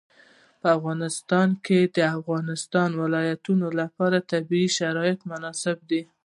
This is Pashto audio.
په افغانستان کې د د افغانستان ولايتونه لپاره طبیعي شرایط مناسب دي.